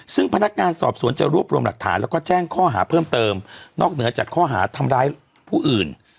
ซึ่งพนักงานสอบสวนจะรวบรวมหลักฐานแล้วก็แจ้งข้อหาเพิ่มเติมนอกเหนือจากข้อหาทำร้ายผู้อื่น